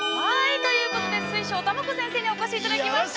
ということで、水晶玉子先生にお越しいただきました。